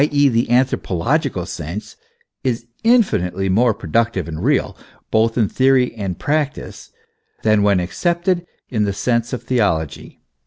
e., the anthropo logical sense, is infinitely more productive and real, both in theory and practice, than when accepted in the sense of theo PREFACE. Xlll logy.